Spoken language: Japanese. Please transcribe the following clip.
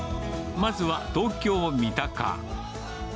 まずは東京・三鷹。